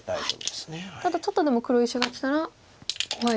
ただちょっとでも黒石がきたら怖い。